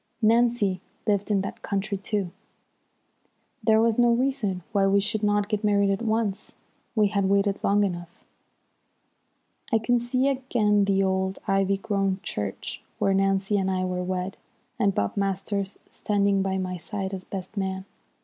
Nancy lived in that country, too. There was no reason why we should not get married at once. We had waited long enough. I can see again the old, ivy grown church where Nancy and I were wed, and Bob Masters standing by my side as best man.